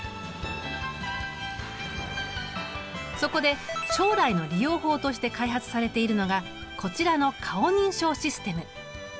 そこで将来の利用法として開発されているのがこちらの顔認証システム。